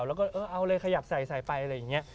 แล้วก็เออเอาเลยขยับใส่ไปอะไรอย่างนี้